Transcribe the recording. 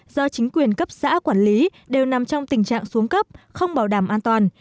do chính quyền cấp xã quản lý đều nằm trong tình trạng xuống cấp không bảo đảm an toàn